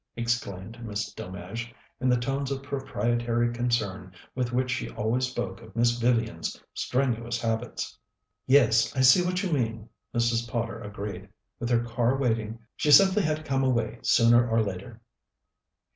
exclaimed Miss Delmege, in the tones of proprietary concern with which she always spoke of Miss Vivian's strenuous habits. "Yes, I see what you mean," Mrs. Potter agreed. "With her car waiting, she simply had to come away sooner or later."